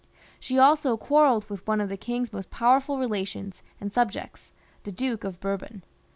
She also quarrelled with one of the king's most powerful relations and subjects, the Duke of Bourbon.